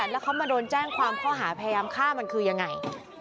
แล้วเขามาโดนแจ้งความข้อหาพยายามฆ่ามันคือยังไง